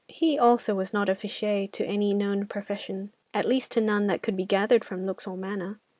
He also was not affiché to any known profession—at least, to none that could be gathered from looks or manner.